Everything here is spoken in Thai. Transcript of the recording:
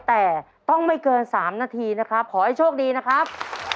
แต่ต้องไม่เกิน๓นาทีนะครับขอให้โชคดีนะครับ